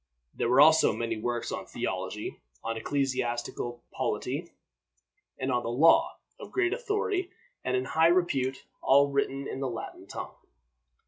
There were also many works on theology, on ecclesiastical polity, and on law, of great authority and in high repute, all written in the Latin tongue.